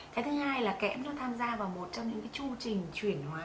cái thứ hai là kẽm nó tham gia vào một trong những cái chu trình chuyển hóa